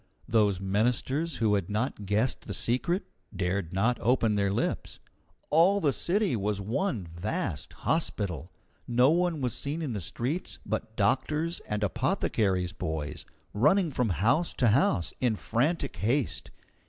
Those ministers who had not guessed the secret dared not open their lips. All the city was one vast hospital. No one was seen in the streets but doctors and apothecaries' boys, running from house to house in frantic haste.